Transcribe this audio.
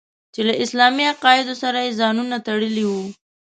چې له اسلامي عقایدو سره یې ځانونه تړلي وو.